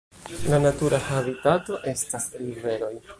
La natura habitato estas riveroj.